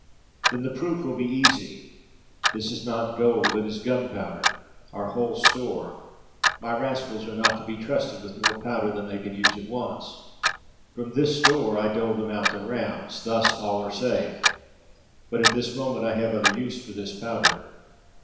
"Then the proof will be easy. This is not gold. It is gunpowder. Our whole store. My rascals are not to be trusted with more powder than they can use at once. From this store I dole them out their rounds; thus are all safe. But at this moment I have other use for this powder.